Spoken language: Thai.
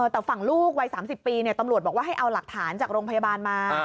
แต่ฝั่งลูกวัย๓๐ปีตำรวจบอกว่าให้เอาหลักฐานจากโรงพยาบาลมา